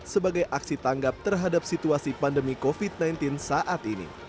sebagai aksi tanggap terhadap situasi pandemi covid sembilan belas saat ini